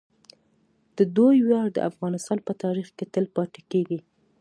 د دوی ویاړ د افغانستان په تاریخ کې تل پاتې کیږي.